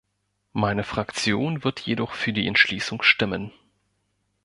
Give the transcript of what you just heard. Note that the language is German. Meine Fraktion wird jedoch für die Entschließung stimmen.